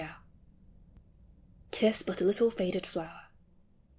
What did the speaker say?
* 317 'T IS BUT A LITTLE FADED FLOWER.